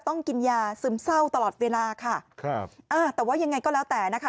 ต้องกินยาซึมเศร้าตลอดเวลาค่ะครับอ่าแต่ว่ายังไงก็แล้วแต่นะคะ